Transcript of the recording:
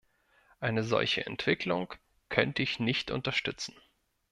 Eine solche Entwicklung könnte ich nicht unterstützen.